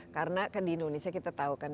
karena di indonesia kita tahu kan